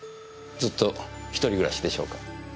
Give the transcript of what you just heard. ずっと一人暮らしでしょうか？